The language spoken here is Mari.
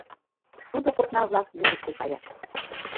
Шудо копна-влак вӱдыштӧ каят.